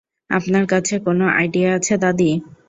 আপনার কাছে কোন আইডিয়া আছে দাদী?